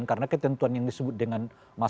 karena ketentuan yang disebut dengan masa